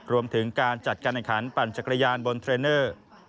รวมถึงการจัดการแข่งขันปั่นจักรยานบนเทรนเนอร์